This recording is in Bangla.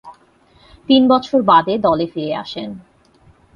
তিন বছর বাদে দলে ফিরে আসেন।